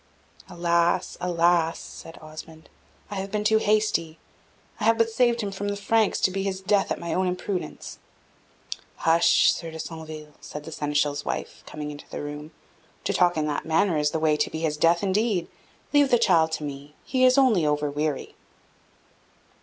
"Alas! alas!" said Osmond, "I have been too hasty. I have but saved him from the Franks to be his death by my own imprudence." "Hush! Sieur de Centeville," said the Seneschal's wife, coming into the room. "To talk in that manner is the way to be his death, indeed. Leave the child to me he is only over weary."